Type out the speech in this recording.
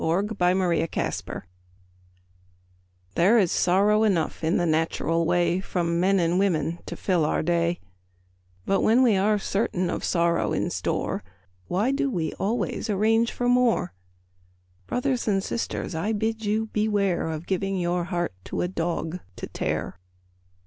THE POWER OF THE DOG There is sorrow enough in the natural way From men and women to fill our day; But when we are certain of sorrow in store, Why do we always arrange for more? Brothers and sisters, I bid you beware Of giving your heart to a dog to tear.